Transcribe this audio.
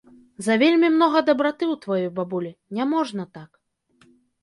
Завельмі многа дабраты ў тваёй бабулі, не можна так.